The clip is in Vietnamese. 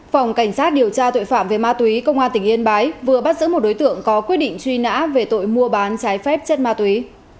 phòng cảnh sát điều tra tội phạm về ma túy công an tỉnh yên bái vừa bắt giữ một đối tượng có quyết định truy nã về tội mua bán trái phép chất ma túy